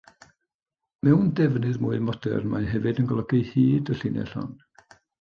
Mewn defnydd mwy modern, mae hefyd yn golygu hyd y llinell hon.